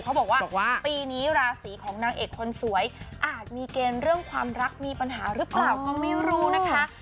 เขาบอกว่าปีนี้ราศีของนางเอกคนสวยอาจมีเกณฑ์เรื่องความรักมีปัญหาหรือเปล่าก็ไม่รู้นะคะ